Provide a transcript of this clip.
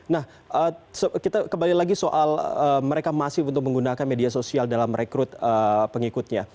nah kita kembali lagi soal mereka masih untuk menggunakan media sosial dalam merekrut pengikutnya